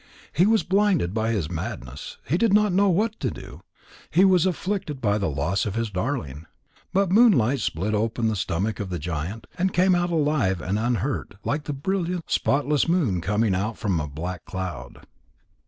He was blinded by his madness, he did not know what to do, he was afflicted by the loss of his darling. But Moonlight split open the stomach of the giant, and came out alive and unhurt, like the brilliant, spotless moon coming out from a black cloud.